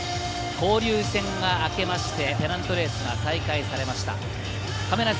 交流戦が明けて、ペナントレースが再開されました。